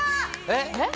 えっ？